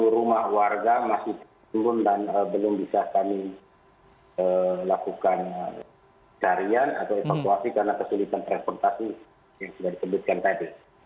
rumah warga masih turun dan belum bisa kami lakukan carian atau evakuasi karena kesulitan transportasi yang sudah disebutkan tadi